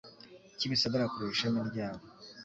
Kimisagara hakorera ishami ryabo